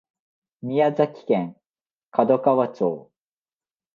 宮崎県門川町